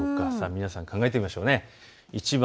皆さん考えてみましょう。